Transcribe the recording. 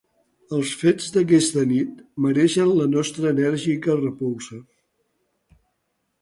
Els fets d’aquesta nit mereixen la nostra enèrgica repulsa.